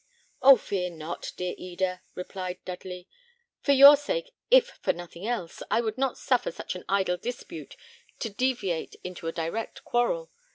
"Oh! fear not, dear Eda," replied Dudley; "for your sake, if for nothing else, I would not suffer such an idle dispute to deviate into a direct quarrel.